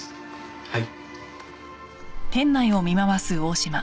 はい。